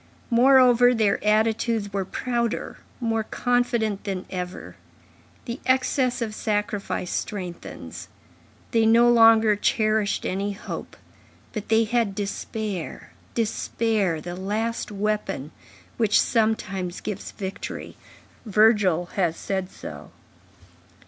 Moreover, their attitudes were prouder, more confident than ever; the excess of sacrifice strengthens; they no longer cherished any hope, but they had despair, despair,—the last weapon, which sometimes gives victory; Virgil has said so.